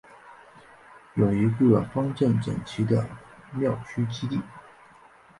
有一个方正整齐的庙区基地。